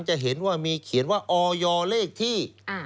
จะเห็นว่ามีเขียนว่าออยเลขที่